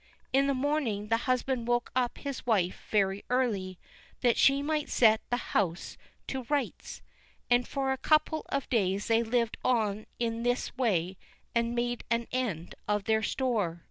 In the morning the husband woke up his wife very early, that she might set the house to rights, and for a couple of days they lived on in this way, and made an end of their store.